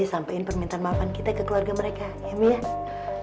sampaikan permintaan maafan kita ke keluarga mereka